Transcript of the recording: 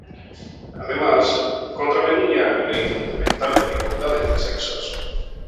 Además, contravenía la ley fundamental de la igualdad entre sexos.